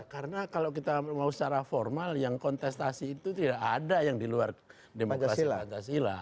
karena kalau kita mau secara formal yang kontestasi itu tidak ada yang di luar demokrasi pancasila